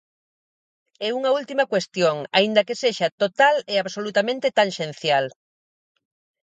E unha última cuestión, aínda que sexa total e absolutamente tanxencial.